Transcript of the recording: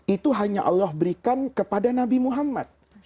itu hanya allah berikan kepada nabi muhammad